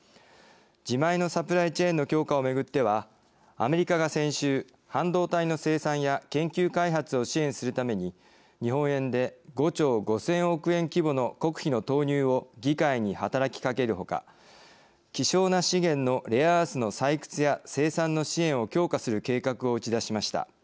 自前のサプライチェーンの強化をめぐってはアメリカが先週半導体の生産や研究開発を支援するために日本円で５兆５，０００億円規模の国費の投入を議会に働きかけるほか希少な資源のレアアースの採掘や生産の支援を強化する計画を打ち出しました。